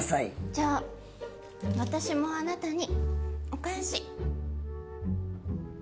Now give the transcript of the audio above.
じゃあ私もあなたにお返し。